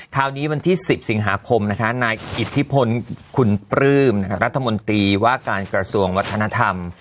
คราวนี้วันที่๑๐สิงหาคมนะคะนายอิทธิพลคุณปลื้มรัฐมนตรีว่าการกระทรวงวัฒนธรรม